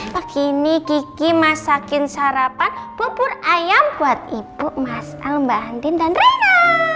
pagi ini kiki masakin sarapan bubur ayam buat ibu mas almba andin dan reina